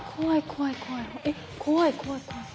怖い怖い怖い怖い。